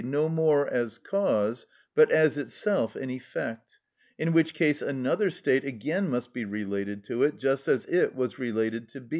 no more as cause, but as itself an effect; in which case another state again must be related to it, just as it was related to B.